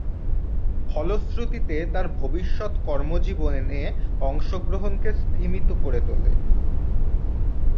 ফলশ্রুতিতে তার ভবিষ্যৎ কর্মজীবনে অংশগ্রহণকে স্তিমিত করে তোলে।